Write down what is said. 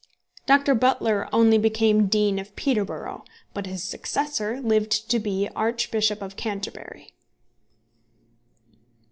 Dr. Butler only became Dean of Peterborough, but his successor lived to be Archbishop of Canterbury.